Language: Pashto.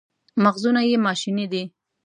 مغزونه یې ماشیني دي.